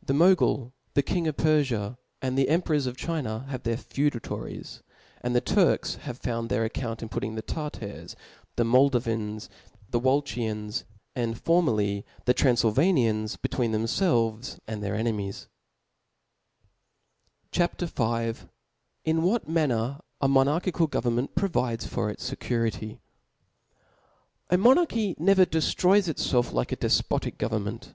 The Mogul, the king of Perfia, and the emperors of ^ China, have their feudatories ; and the Turks have found their account in putting the Tartars, the '.'^■" Moldavians, 1 190 T H E S P I R I T Book Moldavians, the Walachians^and formerly the Tran« €bM^6. filvanians, between themfelves and their enemies. C H A R V. In what manner a Monarchical Government provides for its Security. A Monarchy never deftroys itfelf like a defpo tic government.